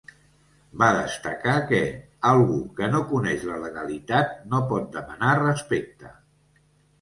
Va destacar que ‘algú que no coneix la legalitat no pot demanar respecte’.